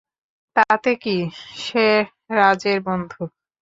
তাতে কি, সে রাজের বন্ধু।